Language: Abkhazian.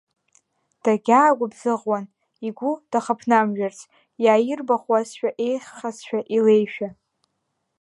Дагьаагәыбзыӷуан игәы дахаԥнамжәарц, иааирбахуазшәа еиӷьхазшәа илеишәа.